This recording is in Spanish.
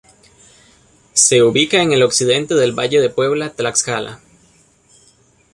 Se ubica en el occidente del valle de Puebla-Tlaxcala.